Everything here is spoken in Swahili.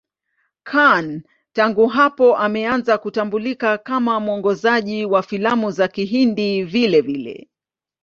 Khan tangu hapo ameanza kutambulika kama mwongozaji wa filamu za Kihindi vilevile.